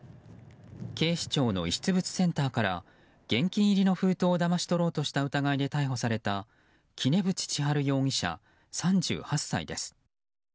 警視庁の遺失物センターから現金入りの封筒をだまし取ろうとした疑いで逮捕された杵渕千春容疑者、３８歳です。